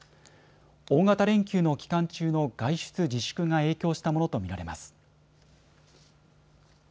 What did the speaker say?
大型連休の期間中の外出自粛が影響したものと見られます。